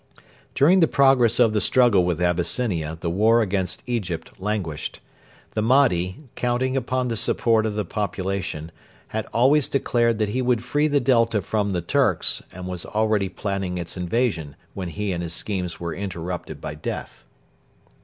During the progress of the struggle with Abyssinia the war against Egypt languished. The Mahdi, counting upon the support of the population, had always declared that he would free the Delta from 'the Turks,' and was already planning its invasion when he and his schemes were interrupted by death.